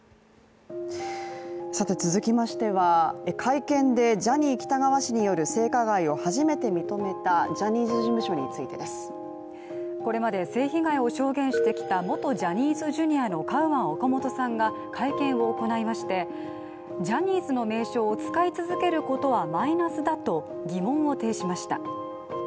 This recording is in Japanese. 続きまして、会見でジャニー喜多川氏による性加害を初めて認めたジャニーズ事務所についてです。これまで性被害を証言してきた元ジャニーズＪｒ．のカウアン・オカモトさんが会見を行いましてジャニーズの名称を使い続けることはマイナスだと疑問を呈しました。